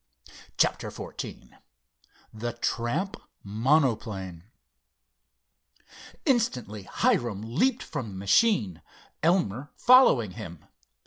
CHAPTER XIV THE TRAMP MONOPLANE Instantly Hiram leaped from the machine, Elmer following him.